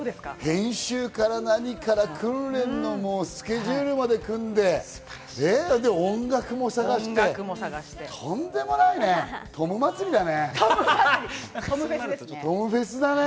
編集から何から訓練のスケジュールまで組んで、音楽も探して、とんでもないね、トム祭りだね。